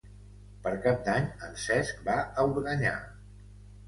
Per Cap d'Any en Cesc va a Organyà.